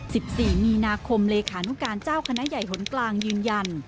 สิบสี่มีนาคมเลขานุการเจ้าคณะใหญ่หนกลางยืนยัน